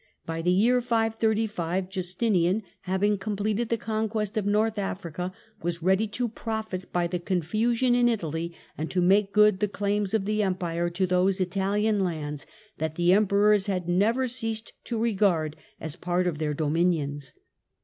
By the year 535 Justinian, having completed the conquest of North Africa, was ready to profit by the confusion in Italy, and to make good the claims of the Empire to those Italian lands that the emperors had never ceased to regard as a part of their dominions.